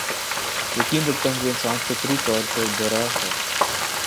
یقین رکھتا ہوں کے انسان فطری طور پر برا ہے